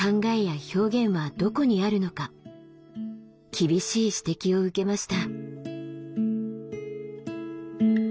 厳しい指摘を受けました。